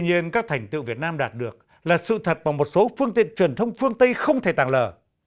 nhưng những thành tựu việt nam đạt được là sự thật bằng một số phương tiện truyền thông phương tây không thể tàng lờ